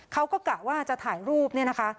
เขาก็กะว่าจะถ่ายรูปนี้นะคะ